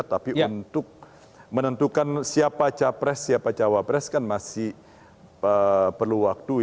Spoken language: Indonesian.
tapi untuk menentukan siapa capres siapa cawapres kan masih perlu waktu